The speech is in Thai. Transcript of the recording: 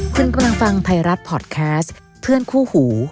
คุณกำลังฟังไทยรัฐพอร์ตแคสต์เพื่อนคู่หู